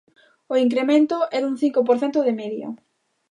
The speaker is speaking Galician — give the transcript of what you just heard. O incremento é dun cinco por cento de media.